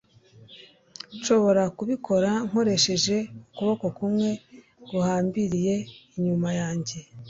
Nshobora kubikora nkoresheje ukuboko kumwe guhambiriye inyuma yanjye.